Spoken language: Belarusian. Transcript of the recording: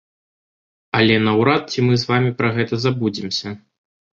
Але наўрад ці мы з вамі пра гэта забудземся.